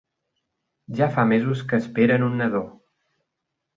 Ja fa mesos que esperen un nadó.